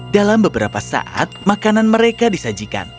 dalam beberapa saat makanan mereka disajikan